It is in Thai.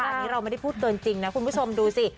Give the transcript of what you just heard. อันนี้เราไม่ได้พูดเกินจริงนะคุณผู้ชมดูสิ